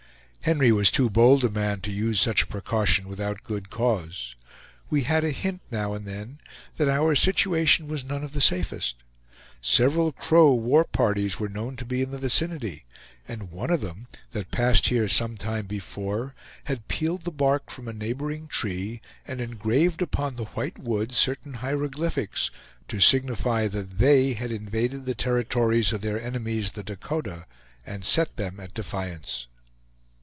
Henry was too bold a man to use such a precaution without good cause. We had a hint now and then that our situation was none of the safest; several Crow war parties were known to be in the vicinity, and one of them, that passed here some time before, had peeled the bark from a neighboring tree, and engraved upon the white wood certain hieroglyphics, to signify that they had invaded the territories of their enemies, the Dakota, and set them at defiance.